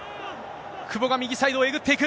久保が右サイドをえぐっていく。